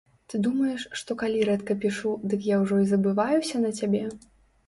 Ты думаеш, што калі рэдка пішу, дык я ўжо і забываюся на цябе?